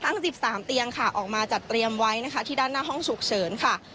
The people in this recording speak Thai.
ทั้งสิบสามเตียงออกมาจัดเตรียมไว้ที่ด้านหน้าห้องฉุกเฉิน